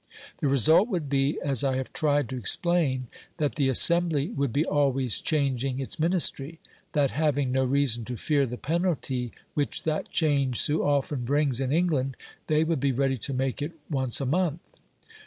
The result would be, as I have tried to explain, that the Assembly would be always changing its Ministry, that having no reason to fear the penalty which that change so often brings in England, they would be ready to make it once a month.